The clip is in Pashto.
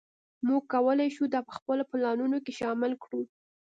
موږ کولی شو دا په خپلو پلانونو کې شامل کړو